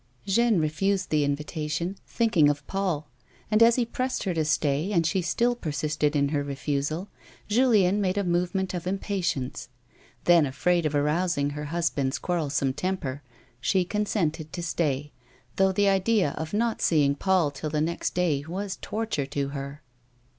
Jeanne refused the invitation, thinking of Paul ; and as he pressed her to stay and she still persisted in her refusal, Julien made a movement of impatience. Then, afraid of arousing her husband's quarrelsome temper, she consented to stay, though the idea of not seeing Paul till the next day (vas torture to her.